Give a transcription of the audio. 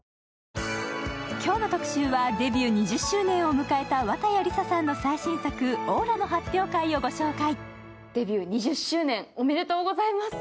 今日の特集はデビュー２０周年を迎えた綿矢りささんの最新作「オーラの発表会」をご紹介。